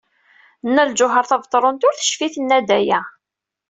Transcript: Nna Lǧuheṛ Tabetṛunt ur tecfi tenna-d aya.